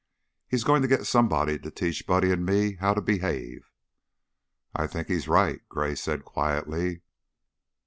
"He's going to get somebody to teach Buddy and me how to behave." "I think he's right," Gray said, quietly.